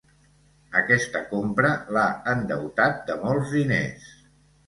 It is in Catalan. Aquesta compra l'ha endeutat de molts diners.